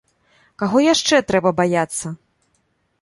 Каго яшчэ трэба баяцца?